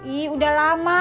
ih udah lama